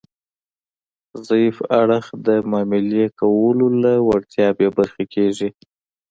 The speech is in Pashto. ضعیف اړخ د معاملې کولو له وړتیا بې برخې کیږي